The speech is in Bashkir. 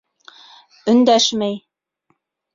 Өндәшмәй.